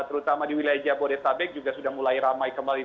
terutama di wilayah jabodetabek juga sudah mulai ramai kembali